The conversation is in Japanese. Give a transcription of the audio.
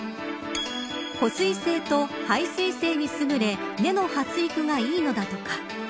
保水性と排水性に優れ根の発育がいいのだとか。